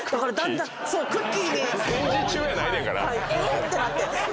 え⁉ってなって。